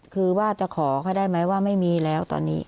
คือว่าจะขอเขาได้ไหมว่าไม่มีแล้วตอนนี้